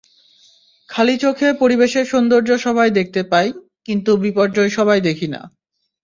খালি চোখে পরিবেশের সৌন্দর্য সবাই দেখতে পাই, কিন্তু বিপর্যয় সবাই দেখি না।